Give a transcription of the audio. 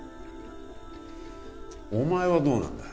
お前はどうなんだ？